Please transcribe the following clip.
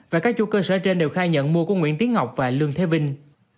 và các chú cơ sở trên đều khai nhận mua của nguyễn tiến ngọc và lương thế vinh